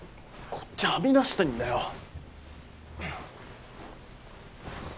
こっちはみ出してんだよ！